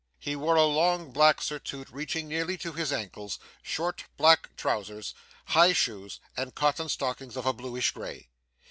He wore a long black surtout reaching nearly to his ankles, short black trousers, high shoes, and cotton stockings of a bluish grey.